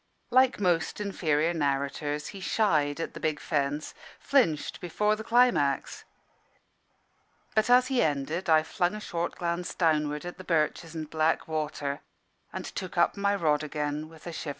Like most inferior narrators, he shied at the big fence, flinched before the climax. But as he ended, I flung a short glance downward at the birches and black water, and took up my rod again with a shiver.